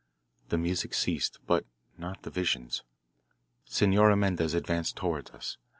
The music ceased, but not the visions. Senora Mendez advanced toward us.